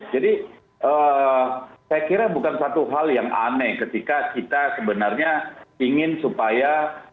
jadi saya kira bukan satu hal yang aneh ketika kita sebenarnya ingin supaya